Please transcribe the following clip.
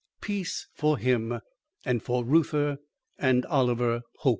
Peace for him; and for Reuther and Oliver, hope!